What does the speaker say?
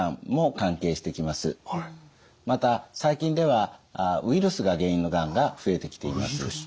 また最近ではウイルスが原因のがんが増えてきています。